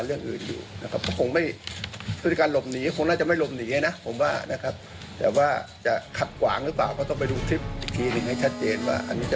เรื่องอื่นใช่ไหม